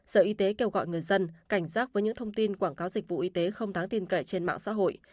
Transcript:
sở y tế kêu gọi người dân cảnh giác với những thông tin quảng cáo dịch vụ y tế không đáng tin cậy trên mạng xã hội